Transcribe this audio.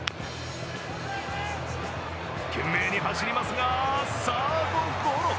懸命に走りますが、サードゴロ。